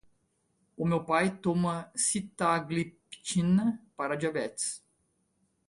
O meu pai toma sitagliptina para a diabetes